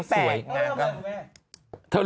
ทักสวยอ่ะ